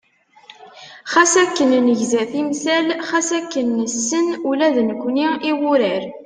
Xas akken negza timsal, xas akken nessen ula d nekkni i wurar.